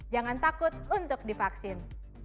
jangan takut untuk divaksin